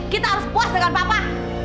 kita harus puas dengan bapak